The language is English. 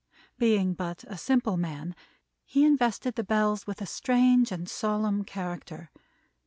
Being but a simple man, he invested the Bells with a strange and solemn character.